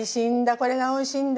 これがおいしいんだ。